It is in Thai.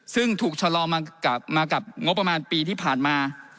ซึ่งถูกชะลอมากับงบประมาณปีที่ผ่านมา